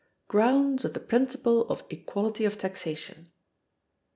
Grounds of the principle of Equality of Taxation.